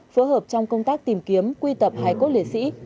phù hợp trong công tác tìm kiếm quy tập hái cốt lễ sĩ